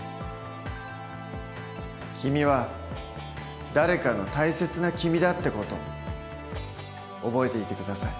君は誰かの大切な君だって事覚えていて下さい。